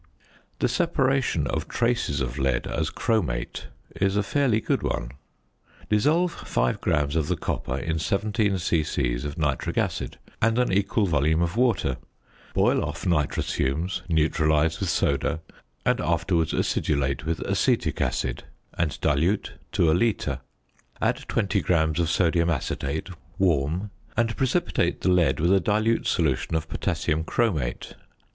The separation of traces of lead as chromate is a fairly good one. Dissolve 5 grams of the copper in 17 c.c. of nitric acid and an equal volume of water; boil off nitrous fumes, neutralise with soda, and afterwards acidulate with acetic acid; and dilute to a litre. Add 20 grams of sodium acetate, warm, and precipitate the lead with a dilute solution of potassium chromate.